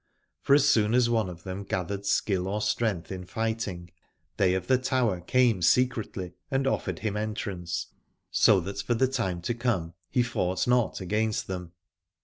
For as soon as one of them gathered skill or strength in fighting, they of the Tower came secretly and offered him entrance, so that for the time to come he fought not against them.